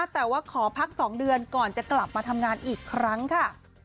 แต่ว่าขอพัก๒เดือนก่อนจะกลับมาทำงานอีกครั้งค่ะ